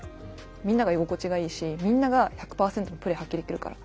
みんなが居心地がいいしみんなが１００％のプレー発揮できるから。